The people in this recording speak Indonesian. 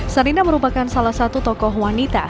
sarina merupakan salah satu tokoh wanita